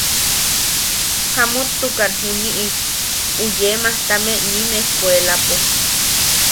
Jamuttukan juniʼi u yee majtame nim ejkuelapo.